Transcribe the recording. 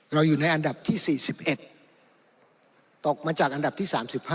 อยู่ในอันดับที่๔๑ตกมาจากอันดับที่๓๕